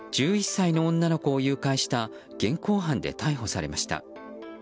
１１歳の女の子を誘拐した現行犯で逮捕されました。